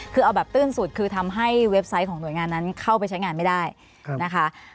คือเอาแบบตื้นสุดคือทำให้เว็บไซต์ของหน่วยงานนั้นเข้าไปใช้งานไม่ได้นะคะ